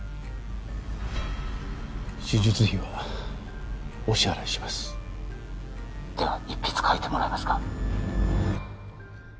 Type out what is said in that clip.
手術費はお支払いしますでは一筆書いてもらえますか？